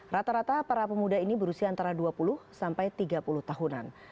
rata rata para pemuda ini berusia antara dua puluh sampai tiga puluh tahunan